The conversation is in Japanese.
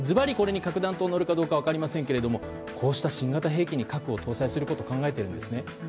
ずばりこれに核弾頭が載るかどうかは分かりませんがこうした新型兵器に核を搭載することを考えてるんですね。